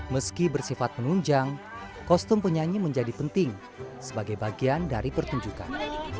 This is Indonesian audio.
meski bersifat menunjang kostum penyanyi menjadi penting sebagai bagian dari pertunjukan